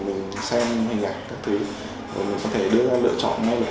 mình có thể đưa ra lựa chọn ngay lập tức để đưa ra quyết định của mình